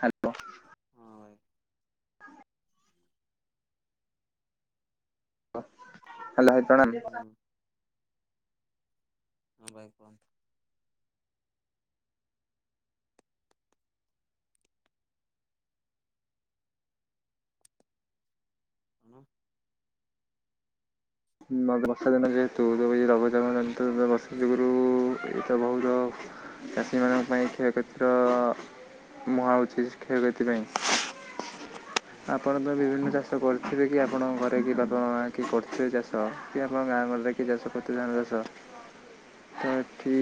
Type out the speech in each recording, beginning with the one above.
Hello ହଁ ଭାଇ। ହୁଁ [unintelligible] ହଁ ଭାଇ କୁହନ୍ତୁ। କଣ? ବର୍ଷା ଦିନ ଯେହେତୁ ଯେ ଏ ଲଘଚାମନ୍ତୁ ବର୍ଷା ଯୁଗରୁ ଏଇଟା ବହୁତ ଚାଷୀମାନଙ୍କ କତୁରୁ କ୍ଷୟ କ୍ଷତିର ମୁହାଁଉଛି କ୍ଷୟକ୍ଷତି ପାଇଁ। ହଁ ଆପଣ ତ ବିଭିନ୍ନ ଚାଷ କରୁଥିବେ କି ଆପଣଙ୍କ ଘରେ କି ବାପ ମା କି କରୁଥିବେ ଚାଷ କି ଆପଣ ଗାଁ ଗରେ କିଏ ଚାଷ କରତ ଧାନ ଚାଷ ତ ଏଠି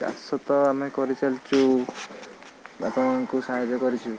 ଚାଷ ତ ଆମେ କରିଚାଲିଛୁ ବାପା ମାଙ୍କୁ ସାହାଯ୍ୟ କରିଛୁ।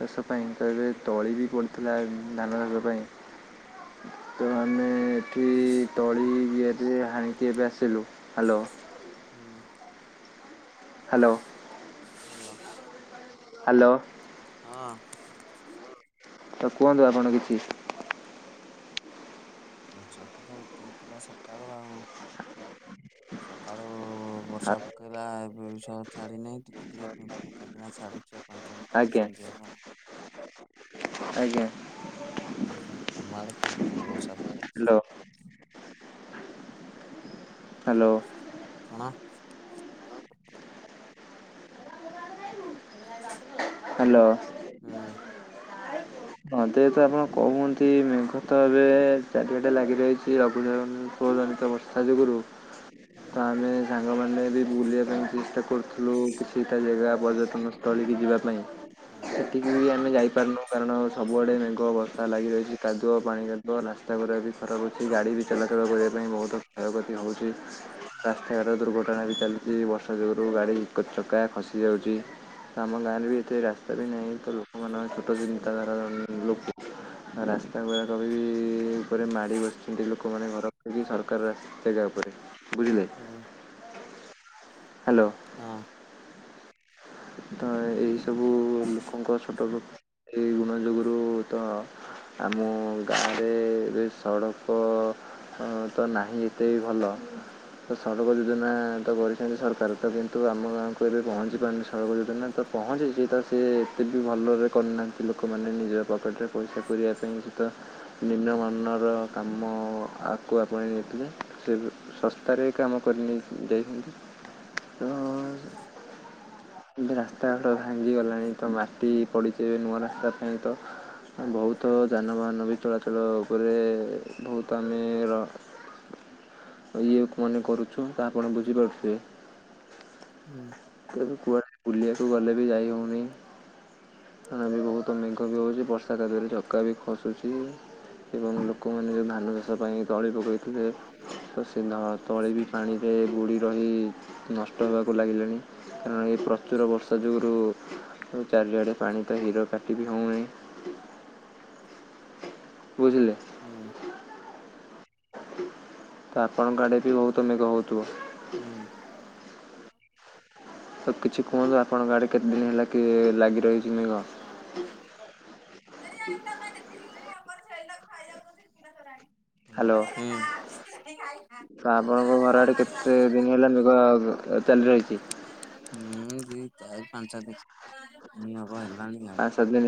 ରଷ ପାଇଁ ତ ଏବେ ତଳି ବି ପଡ଼ିଥିଲା ଧାନ ଚାଷ ପାଇଁ। ତ ଆମେ କି ତଳି କିଆରିରେ ହାଣିକି ଏବେ ଆସିଲୁ ହ୍ୟାଲୋ। ହୁଁ ହ୍ୟାଲୋ ହ୍ୟାଲୋ ହ୍ୟାଲୋ ହଁ ତ କୁହନ୍ତୁ ଆପଣ କିଛି ବର୍ଷା ତ ତ ଉଠେଇଥିଲା ସକାଳୁ ଆଉ ସକାଳୁ ବର୍ଷା ଆ- ପକେଇଲା ଏବେ ବି ସ ଛାଡ଼ି ନାହିଁ ଟି କି ଟିକେ ପକାଇକିନା ଛାଡୁଛି ପାଞ୍ଚ ମିନିଟ୍ ଆଜ୍ଞା ଦଶ ମିନିଟ୍ ହବ। ଆଜ୍ଞା ଉଁ ହୁଁ ତମ ଆଡେ କେମିତି କଣ ବର୍ଷା ପକୋଉଛି? Hello hello. କଣ? ହାଲୋ। ହୁଁ [inaudible] ହଁ ଯେହେତୁ ଆପଣ କୁହନ୍ତି ମେଘ ତ ଏବେ ଚାରିଆଟେ ଲାଗି ଯାଇଚି ଲଘୁଚାଉଁ ପୌଜଣିତ ବର୍ଷା ଯୋଗୁରୁ ହୁଁ ତା ହେଲେ ସାଙ୍ଗମାନେ ବି ବୁଲିବା ପାଇଁ ଚେଷ୍ଟା କରୁଥିଲୁ। କିଛିଟା ଜାଗା ପର୍ଯ୍ୟଟନ ସ୍ଥଳୀକୁ ଯିବା ପାଇଁ। ହୁଁ। ଏଠିକି ବି ଆମେ ଯାଇପାରୁନୁ କାରଣ ସବୁଆଡେ ମେଘ ବର୍ଷା ଲାଗି ରହିଚି। କାଦୁଅ ପାଣି ତରାସ୍ତା ଗୁରା ବି ଖରାପ୍ ଅଛି। ଗାଡି ବି ଚଲାଚଳ କରିବା ପାଇଁ ବହୁତ କ୍ଷୟକ୍ଷତି ହୋଉଚି ରାସ୍ତାର ଦୁର୍ଘଟଣା ବି ଚାଲିଚି। ବର୍ଷା ଯୋଗୁରୁ ଗାଡ଼ି ଚକା ଖସି ଯାଉଚି ଆମ ଗାଁରେ ବି ରାସ୍ତାରେ ହେଇଁ ତ ଲୋକମାନଙ୍କ ଛୋଟ ଚିନ୍ତାଧାରା ଲୋକ ରାସ୍ତା ଗୁଡାକ ବି ଉପରେ ମାଡି ବସିଛନ୍ତି ଲୋକମାନେ ଘରକରିକି ସରକାର ରାସ୍ତା। ଜେଗା ଉପରେ। ବୁଝିଲେ? ହୁଁ ହାଲୋ। ହଁ। ତ ଏହିସବୁ ଲୋକଙ୍କ ଛୋଟପ୍ରକୃତି ଗୁଣ ଯୋଗୁରୁ ତ ଆମ ଗାଁରେ ଏ ସଡକ ତ ନାହିଁ ଏତେ ବି ଭଲ। ତ ସଡକ ଯୋଜନା ତ କରିଛନ୍ତି ସରକାର। ତ କିନ୍ତୁ ଆମ ଗାଁକୁ ଏବେ ପହଞ୍ଚି ପାରିନି ସଡକ ଯୋଜନା ତ ପହଞ୍ଚିଛି ତ ସେ ଏତେ ବି ଭଲରେ କରିନାହାନ୍ତି। ଲୋକମାନେ ନିଜର ପକେଟ୍ ରେ ପଇସା କରିବା ପାଇଁ ସେଟା ନିମ୍ନମାନର କାମ ଆକୁଆପାଇଁ ନୋଉଥିବେ ସେ ଶସ୍ତାରେ କାମ କରି ନେଇ ଦେଇ ତେଣୁ ଏବେ ରାସ୍ତାଘାଡ଼ ଭାଙ୍ଗିଗଲାଣି ତ ମାଟି ପଡ଼ିଚି ଏବେ ନୂଆ ରାସ୍ତା ପାଇଁ ତ ବହୁତ ଯାନବାହାନ ବି ଚଳାଚଳ କରେ ବହୁତ୍ ଆମେର ହ [inaudible] ଆଜି ଲୋକମାନେ କରୁଛୁ ତ ଆପଣ ବୁଝିପାରୁଥିବେ? ହୁଁ। ତେବେ କୁଆଡ଼େ ବୁଲିବାକୁ ଗଲେ ବି ଯାଇ ହୋଉନି। ହାଁ ବି ବହୁତୁ ମେଘ ବି ହୋଉଚି। ବର୍ଷା ତାଦେହରେ ଚକା ବି ଖସୁଚି। ଏବଂ ଲୋକମାନେ ଯୋଉ ଧାନ ଚାଷ ପାଇଁ ତଳି ପକେଇଥିଲେ ତସେ ତଳି ବି ପାଣିରେ ବୁଡି ରହି ନଷ୍ଟ ହେବାକୁ ଲାଗିଲାଣି। କାରଣ ଏପ୍ର ପ୍ରଚୁର ବର୍ଷା ଯୋଗୁରୁ ଚାରିଆଡ଼େ ପାଣି ତ ହିର କାଟି ବି ହୋଉନି। [inaudible] ବୁଝିଲେ? ହୁଁ‌। ତ ଆପଣଙ୍କ ଆଡେ ବି ବହୁତ ମେଘ ହୋଉଥୁବ? ହୁଁ। ତ କିଛି କୁହନ୍ତୁ ଆପଣଙ୍କ ଆଡେ କେତେ ଦିନି ହେଲା କି ଲାଗି ଆଉ ରହିଛି ମେଘ ଗୌତମ ଘର୍। ଖାଇଲ? ହ୍ୟାଲୋ ତ ଆପଣଙ୍କ [inaudible] ତ କାଲି ରହିଛି। ହୁଁ, ଦି ଚାରି ପାଞ୍ଚ ଦିନି ହବ ହେଲାଣି ଆଉ ପାଞ୍ଚ ସାତ ଦିନ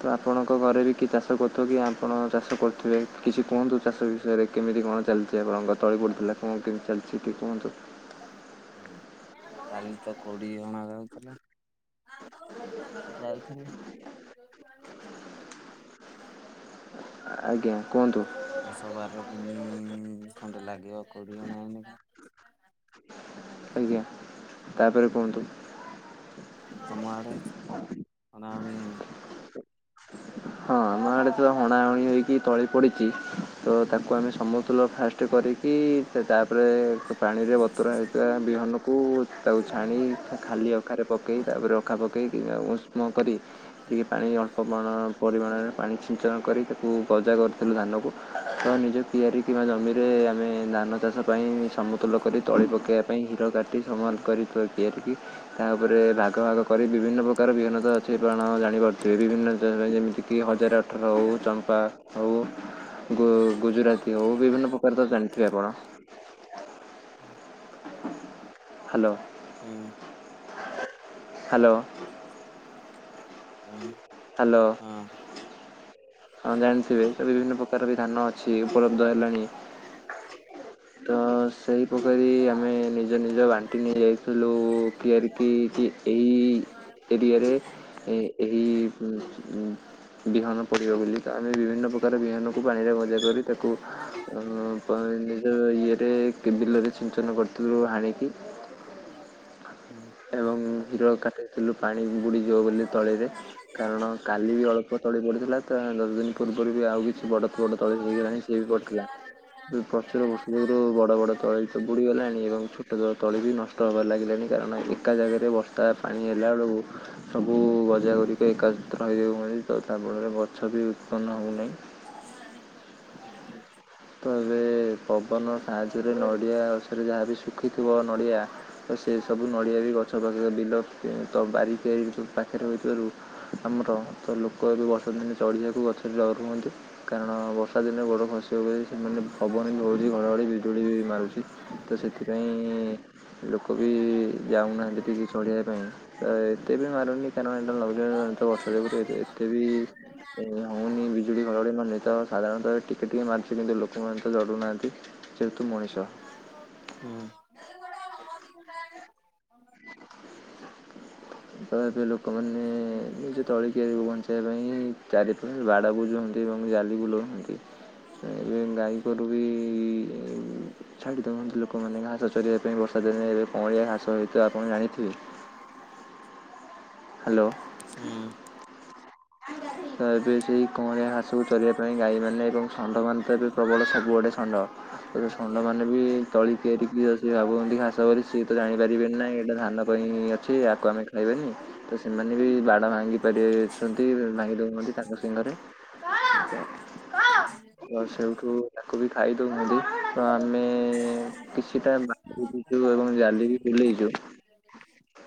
ତ ଆପଣଙ୍କ ଘରେ ବି କି ଚାଷ କରୁ ତ କି ଆପଣ ଚାଷ କରୁଥିବେ କିଛି କୁହନ୍ତୁ ଚାଷ ବିଷୟରେ କେମିତି କଣ ଚାଲିଛି ଆପଣଙ୍କ ତଳି ପଡ଼ୁଥିଲା। କଣ କେମିତି ଚାଲିଛି ଟିକେ କୁହନ୍ତୁ? ହ କାଲି ତ କୋଡିଏ ଜଣ ଯାଉଥିଲା। ଯାଉଥିଲା ଆଜ୍ଞା, କୁହନ୍ତୁ। ଦଶ ବାର ତିନି ଖଣ୍ଡେ ଲାଗିବ କୋଡି ହଣା ହଣି କା। ଆଜ୍ଞା ତାପରେ କୁହନ୍ତୁ। ତମ ଆଡେ ହଣା ହଣି ହେଇନି? ହଁ ଆମ ଆଡେ ତ ହଣା ହଣି ହେଇକି ତଳି ପଡିଛି ତ ତାକୁ ଆମେ ସମତୁଲ ଫାଷ୍ଟ କରିକି ତାପରେ ପାଣିରେ ବତୁରା ହେଇଥିବା ବିହନକୁ ତାକୁ ଛାଣି ଖାଲି ଅଖାରେ ପକେଇ ତାପରେ ଅଖା ପକେଇକି ଉଷ୍ମ କରି ଟିକେ ପାଣି ଅଳ୍ପ କଣ ପାଣି ଛିଞ୍ଚନ କରି ତାକୁ ଗଜା କରିଥିଲୁ ଧାନକୁ ତ ନିଜେ କିଆରି କିମ୍ବା ଜମିରେ ଆମେ ଧାନ ଚାଷ ପାଇଁ ସମତୁଲ କରି ତଳି ପକାଇବା ପାଇଁ ହିଁଡ଼ କାଟି ସମାନ କରିଥିବା କିଆରିକି ତାପରେ ଭାଗ ଭାଗ କ ପରେ ବିଭିନ୍ନ ପ୍ରକାର ବିହନ୍ନତା ଅଛି ଆପଣ ଜାଣିପାରୁଥିବେ ବିଭିନ୍ନ ଯେମିତି କି ହଜାରେ ଅଠର ହଉ ଚମ୍ପା ହଉ ଗୁ ଗୁଜୁରାତି ହଉ ବିଭିନ୍ନ ପ୍ରକାର ତ ଜାଣିଥିବେ ଆପଣ। ହୁଁ ହ୍ୟାଲୋ। ହୁ ହ୍ୟାଲୋ। ଚାଲୁନୁ କଣ ନବା ଆଉ ହ୍ୟାଲୋ। ହଁ ଜାଣିଥିବେ ତ ବିଭିନ୍ନ ପ୍ରକାର ବି ଧାନ ଅଛି ଉପଲବ୍ଧ ହେଲାଣି ତ ସେଇ ପକାରୀ ଆମେ ନିଜ ନିଜ ବାଣ୍ଟି ନେଇ ଯାଇଥିଲୁ କିଆରି କି ଏହି ଏରିଆରେ ଏ ଏହି ହୁଁ ହୁଁ ବିହାନ ପଡ଼ିବ ବୋଲି ଆମେ ବିଭିନ୍ନ ପ୍ରକାର ବିହନକୁ ପାଣିରେ ଗଜା କରି ତାକୁ ଉଁ ତ ନିଜ ଇଏରେ କେ ବିଲରେ ସିଞ୍ଚନ କରିଥିଲୁ ହାଣିକି ହୁଁ। ଏବଂ ହିର କାଟି ଥିଲୁ ପାଣି ବୁଡ଼ିଯିବ ବୋଲି ତଳିରେ କାରଣ କାଲି ବି ଅଳ୍ପ ତଳି ପଡ଼ିଥିଲା। ଦଶ ଦିନ ପୂର୍ବରୁ ବି ଆଉ କିଛି ବଡ ଫ ବଡ ତଳି ହେଇଗଲାଣି ସିଏ ବି ପଡିଥିଲା। ପ୍ରଚୁର ବର୍ଷା ଯୁରୁ ବଡ ବଡ ତଳି ତ ବୁଡିଗଲାଣି ଏବଂ ଛୋଟ ଛୋଟ ତଳି ବି ନଷ୍ଟ ଡର ଲାଗିଲାଣି କାରଣ ଏକା ଜାଗାରେ ବର୍ଷା ପାଣି ହେଲା ବଳକୁ ସବୁ ଗଜା ଗୁଡିକ ଏକାସତ୍ର ହୋଇହେଇଯାଉଛନ୍ତି ତ ଯାହା ଫଳରେ ଗଛ ବି ଉତ୍ପନ୍ନ ହେଉନାହିଁ। ତ ଏବେ ପବନ ସାହାଯ୍ୟରେ ନଡିଆ ସେଥିରେ ଯାହା ବିି ଶୁଖିଥିବ ନଡ଼ିଆ ତ ସେ ସବୁ ନଡ଼ିଆ ବି ଗଛ ପାଖରେ ବିଲ ତ ବାରିକୁ ପାଖରେ ରହିଥିବାରୁ ଆମର ତ ଲୋକ ଏବେ ବ ଚଢ଼ିବାକୁ ଗଛରେ ଡ଼ରୁଛଅନ୍ତି କାରଣ ବର୍ଷା ଦିନେ ଗୋଡ଼ ଖସ ଯୋରେ ପବନ ଧଉଛି ଘଡ଼ଘଡ଼ି ବିଜୁଳି ବି ମାରୁଛି ତ ସେଥିପାଇଁ ଲୋକ ବି ଯାଉନାହାନ୍ତି ଚଲିବପାଇଁ। ଏତେ ବିି ମାରୁୁ ନେଇ କାରଣ ଏଟା ଲଘୁଚାପ ଜନିତ ବର୍ଷା ଏତେ ବିି ଏ ହି ବିଜୁଳି ଘଡଘଡି ମାରୁନି ସାଧାରଣତଃ ଟିକେ ଟିକିଏ ମାରୁଛି କିନ୍ତୁ ଲୋକମାନେ ତ ଜରୁୁନାହାଁନ୍ତି ଯେହେତୁ ମଣିଷ। ହୁଁ। ସାଧାରଣତ ଲୋକମାନେ ନିଜ ତଳିିକିଆରିକୁ ବଞ୍ଚେଇବା ପାଇଁ ହୁଁ ଚାରିପଟ ବାଡ଼ ବୁଜନ୍ତି ଏବଂ ଜାଲି ବୁଲୁଅନ୍ତି। [unintelligible] ଏବେ ଗାଈଗୋରୁ ବି ଛାଡ଼ିଦେଉଛନ୍ତି ଲୋକମାନେ ଘାସ ଚରିବା ପାଇଁ ବର୍ଷା ଦିନେ ଏବେ କଁଳିଆ ଘାସ ହୋଇତିବ ଆପଣ ଜାଣିଥିବେ। [unintelligible] ହ୍ୟାଲୋ। ହୁଁ। ତ ଏବେ ସେଇ କଅଁଳିଆ ଘାସକୁ ଚରିବା ପାଇଁ ଗାଈମାନେ ଏବଂ ଷଣ୍ଡମାନେ ତ ଏବେ ପ୍ରବଳ ସବୁଆଡ଼େ ଷଣ୍ଢ। ଏବେ ଷଣ୍ଡମାନେ ବି ତଳି କିଆରି କିି ସେ ଭାବୁଛନ୍ତି ଘାସ ବୋଲି ସିଏ ତ ଜାଣିପାରିବେନି ନାହିଁ ଏଇଟା ଧାନ ପାଇଁ ଅଛି ଆକୁ ଆମେ ଖାଇବାନି। ତ ସେମାନେ ବି ବାଡ ଭାଙ୍ଗି ପାରିବଛନ୍ତି ଭାଙ୍ଗି ଦଉଛନ୍ତି ତାଙ୍କ ଶିଙ୍ଘରେ। କଣ? [unintelligible] ତ ସେଇଠୁ ତାକୁ ବି ଖାଇଦଉଛନ୍ତି ତ ଆମେ କିଛିଟା ବାଡ ଦେଇଛୁ ଏବଂ ଜାଲି ବି ବୁଲେଇଛୁ। [unintelligible]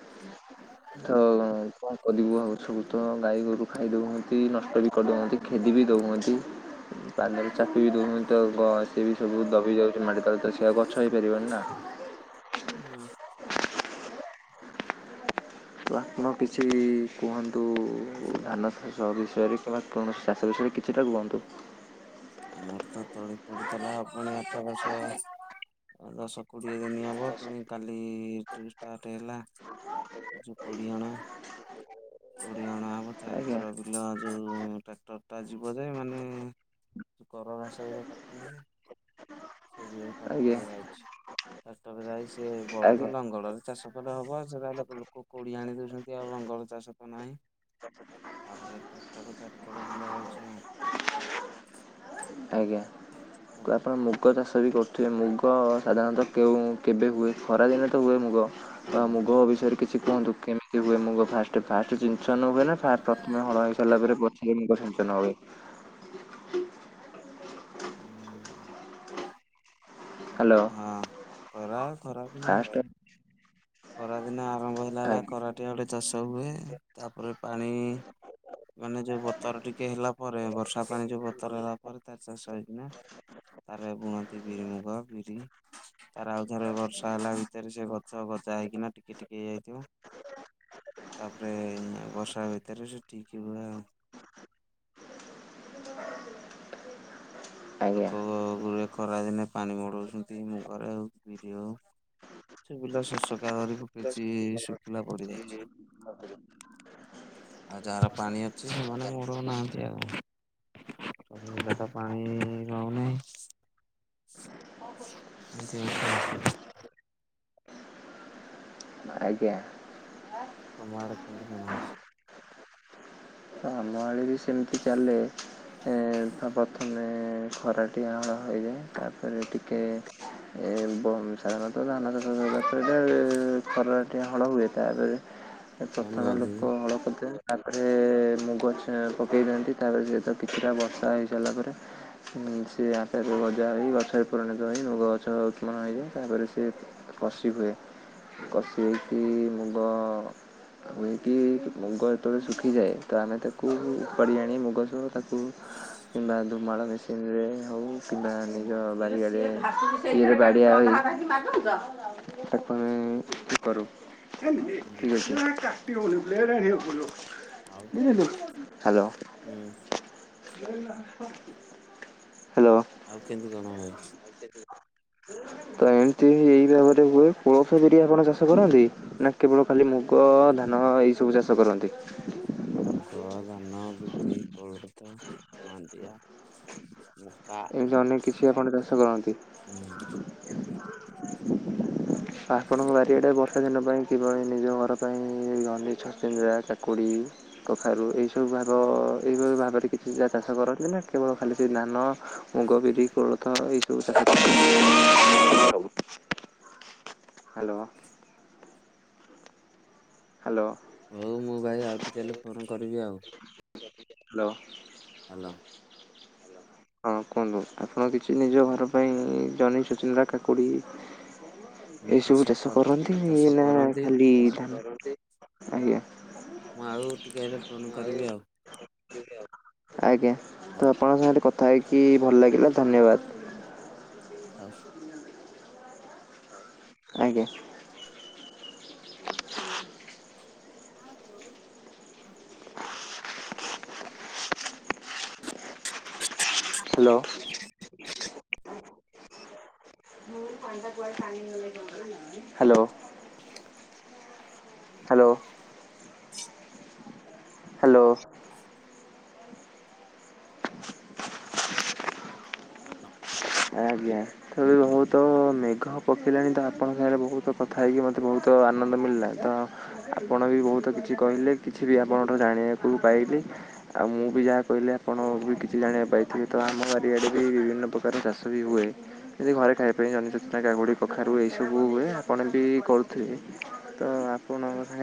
ତ କଣ କରିବୁ ଆଉ ସବୁ ତ ଗାଈ ଗୋରୁ ଖାଇଦଉଛନ୍ତି। ନଷ୍ଟ ବି କରିଦଉଛନ୍ତି ଖେଦି ବି ଦଉନ୍ତି। ପାଦରେ ଚାପି ବି ଦେଉଛନ୍ତିି ତ ସିଏ ବି ସବୁ ଦବି ଯାଉଛି ମାଟି ତଳେ ତ ସିଏ ଆଉ ଗଛ ହେଇପାରିବନି ନା। ହୁଁ। ତ ଆପଣ କିଛି ବି କୁହନ୍ତୁ ଧାନ ଚାଷ ଘର ବିଷୟରେ କିମ୍ବା କୌଣସି ଚାଷ ବିଷୟରେ କିଛିଟା କୁହନ୍ତୁ। ଆମର ତ ତଳି ପଡିଥିଲା ପୁଣି ଆଠ ବଷ ଦଶ କୋଡିଏ ଦିନ ହବ ପଣି କାଲି ଠୁ ଷ୍ଟାର୍ଟ ହେଲା। ଏ ଯୋଉ କୋଡିହଣା। କୋଡିଏ ହଣା ହବ ଆଜ୍ଞା। ଚାରିଥର ବିଲ ଯୋଉ ଟ୍ରାକ୍ଟର ଟା ଯିବ ଯେ ମାନେ କର ଘାସ ଗୁରା କାଟୁନି ଯେ ସେ ଆଜ୍ଞା ଟ୍ରାକ୍ଟରରେ ଯାଉଛି। ଟ୍ରକ୍ଟଟରେ ଯାଇ ସିଏ ବଳଦ ଆଜ୍ଞା। ଲଙ୍ଗଳ ରେ ଚାଷ କଲେ ହବ ସେଟା ଲୋକ ଲୋକ କୋଡି ଆଣି ଦଉଛନ୍ତି ଆଉ ଲଙ୍ଗଳ ଚାଷ ନାହିଁ ତାପରେ ଟ୍ରାକ୍ଟର ଚାରିକର ବୁଲା ଯାଉଛି ଆଉ। ଆଜ୍ଞା ଆପଣ ମୁଗ ଚାଷ ବି କରୁଥିବେ ମୁଗ ସାଧାରଣତଃ କେଉଁ କେବେ ହୁଏ ଖରାଦିନେ ତ ହୁଏ ମୁଗ ବା ମୁଗ ହୁଁ ବିଷୟରେ କିଛି କୁହନ୍ତୁ କେମିତି ସେ ହୁଏ ମୁ ଫାଷ୍ଟ ଫାଷ୍ଟ ସିଞ୍ଚନ ହୁଏ ନା ପ୍ରଥମେ ହଳ ହେଇ ସାରିଲ ପରେ ପରେ ମୁଗ ସିଞ୍ଚନ ହୁଏ। ହ୍ୟାଲୋ ହଁ ଖରା ଖରାଦିନେ ଫାଷ୍ଟ ହୋଉଛି। ଖରା ଦିନ ଆରମ୍ଭ ହେଲା ହେଲା ଆଜ୍ଞା ଖରାଟିଆ ଗୋଟେ ଚାଷ ହୁଏ ତାପରେ ପାଣି ମାନେ ଯୋଉ ବତର ଟିକେ ହେଲା ପରେ ବର୍ଷା ପାଣି ଯୋଉ ବତର ହେଲା ପରେ ତାର ଚାଷ ହେଇଛି ନା। ତାର ବୁଣନ୍ତି ବିରି ମୁଗ ବିରି। ତାର ଆଉଥରେ ବର୍ଷା ହେଲା ଭିତରେ ସେ ଗଛ ହବ। ଯାଇକି ନାଁ ଟିକେ ଟିକେ ହେଇଯାଇଥିବ। ତାପରେ ବର୍ଷା ଭିତରେ ସେ ଠିକ୍ ହୁଏ ଆଉ। ଆଜ୍ଞା ଲୋକ ହୁଏ ଖରା‌ ଦିନେ। ପାଣି ମଡଉଚନ୍ତି ମୁଁ ଘରେ ହଉ ବିରି ହଉ [unintelligible] ଶସ୍ୟ। ଧରି ଫକେଇଚି ଶୁଖିଲା ପଡି ଯାଇଛି। ଆଉ ଯାହାର ପାଣି ଅଛି ସେମାନେ ମରଉ ନାହାନ୍ତି ଆଉ। ଏମତିରେ ତ ପାଣି କେଇ ରହୁନାହିଁ [unintelligible] ହ ଆଜ୍ଞା। ତମ ଆଡେ କେମତି କଣ ଅଛି। ଆଁ ଆମ ଆଡେ ବି ସେମିତି ଚାଲେ। ଏଁ ପ୍ରଥମେ ଖରାଟି ଆହୁଳ ହୋଇଯାଏ ତାପରେ ଟିକେ ଏ ବଂ ସାଧାରଣତଃ ଧାନ ଚାଷ କରିବା ଖରା ଟିକେ ହଳ ହୁଏ ତାପରେ [inaudible] ପ୍ରଥମେ ଗାଧେଇବି ଲୋକ ହଳ କରିଦେବେ ତାପରେ ମୁଗଛ ପକେଇ ଦିନ୍ତି ତାପରେ ସେ ତ କିଛିଟା ବର୍ଷା ହେଇ ସାରିଲା ପରେ ସିଏ ଆପେ ଆପେ ଗଜା ହେଇ ଗଛରେ ପରାଣତ ହେଇ ଲ ଗଛ ଉତ୍ମନ ହେଇଯାଏ ତାପରେ ସେ ପସି ହୁଏ। କଷିହେକି ମୁଗ ହୁଇକି ମୁଗ ଯେତେବେଳେ ଶୁଖିଯାଏ। ତ ଆମେ ତାକୁ ଉପାଡ଼ିଆଣି ମୁଗ ସବୁ ତାକୁ କିମ୍ବା ଧୁମାଳ ମେସିନରେ ହେଉ [unintelligible] ତାକୁ ଆମେ ତ କରୁ। ହୁଁ [unintelligible] ଆଉ ହାଲୋ। ହୁଁ। ହ ଆଉ କେମିତି କଣ ହୁଏ। ତ ଏମିତି ଏଇ ଭାବରେ ହୁଏ କୋଳଥ ବିରି ଆପଣ ଚାଷ କରନ୍ତି। ନାଁ କେବଳ ଖାଲି ମୁଗ ଧାନ ଏଇ ସବୁ ଚାଷ କରନ୍ତି। ମୁଗ, ଧାନ, ବିଡି, କୋଳଥ, ମାଣ୍ଡିଆ। ମକା ଏ ଜହ୍ନି କିଛି ଆପଣ ଚାଷ କରନ୍ତି। ହୁଁ ଆପଣଙ୍କ ବାରିଆଡେ ବର୍ଷା ଦିନ ପାଇଁ କିଭଳି ନିଜ ଘର ପାଇଁ ଜହ୍ନି, ଛଚିଦ୍ରା, କାକୁଡି। କଖାରୁ ଏଇସବୁ ଭାବ ଏ ଭାବରେ କିଛି ଚାଷ କରନ୍ତି ନାଁ କେବଳ ଖାଲି ସେ ଧାନ ମୁଗ, ବିରି, କୋଳଥ ଏସବୁ ଚାଷ। ହୁଁ ସବୁ ସବୁ। ହାଲୋ। ହାଲୋ। ହଉ ମୁଁ ଭାଇ ଆଉ ଟିକେ ହେଲେ ଫୋନ୍ କରିବି ଆଉ। ହାଲୋ। ହାଲୋ। ହଁ କୁହନ୍ତୁ ଆପଣ କିଛି ନିଜ ଘର ପାଇଁ ଜହ୍ନି, ଛଚିଦ୍ରା, କାକୁଡ଼ି। ହୁଁ ଏଇସବୁ ଚାଷ କର କରନ୍ତି ଚାଷ ନାଁ କରନ୍ତି ଖାଲି ଧାନ ରୁଅନ୍ତି ଆଜ୍ଞା। ମୁଁ ଆଉ ଟିକିଏ ହେଲେ ଫୋନ କରିବି ଆଉ। ଆଜ୍ଞା ତ ହଉ ଆପଣଙ୍କ ସାଙ୍ଗରେ କଥା ହେଇକି ଭଲଲାଗିଲା ଧନ୍ୟବାଦ। ଆଉ। ଆଜ୍ଞା। ଆ ବୋଉ। ହାଲୋ। ହାଲୋ। [unintelligible] ହାଲୋ। [unintelligible] ହାଲୋ। ଆଜ୍ଞା। [unintelligible] ବହୁତ ମେଘ ପକେଇଲାଣିତ ଆପଣଙ୍କ ସାଙ୍ଗରେ ବହୁତ କଥା ହେଇକି ମୋତେ ବହୁତ ଆନନ୍ଦ ମିଳିଲା ତ ଆପଣବି ବହୁତ କିଛି କହିଲେ କିଛିବି ଆପଣଠୁ ଜାଣିବାକୁ ପାଇଲି। ଆଉ ମୁଁବି ଯାହା କହିଲି ଆପଣବି କିଛି ଜାଣିବା ପାଇଥିବେତ ଆମ ବାରଆଡେ ବିଭିନ୍ନ ପ୍ରକାର ଚାଷ ଥିବି ହୁଏ। ଏମିତି ଘରେ ଖାଇବା ପାଇଁ ଜହ୍ନୀ ଛଚିଦ୍ରା କାକୁଡି କଖାରୁ ଏଇ ସବୁ ହୁଏ ଆପଣବି କରୁଥିବେ ତ ଆପ [unintelligible] ଆମ ସାଙ୍ଗେ।